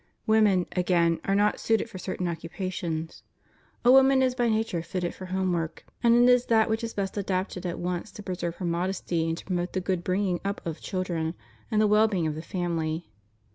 Women, again, are not suited for certain occupations; a woman is by nature fitted for home work, and it is that which is best adapted at once to preserve her modesty and to promote the good bringing up of children and the well being of the family.